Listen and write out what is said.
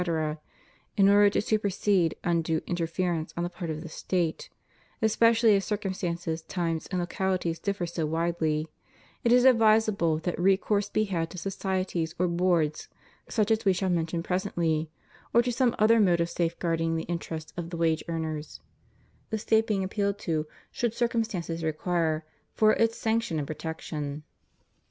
— in order to supersede undue interference on the part of the State, especially as circumstances, times, and locahties differ so widely, it is advisable that recourse be had to societies or boards such as We shall mention CONDITION OF THE WORKING CLASSES. 237 presently, or to some other mode of safeguarding the interests of the wage earners ; the State being appealed to, should circumstances require, for its sanction and pro tection.